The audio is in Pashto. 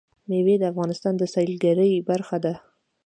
مېوې د افغانستان د سیلګرۍ برخه ده.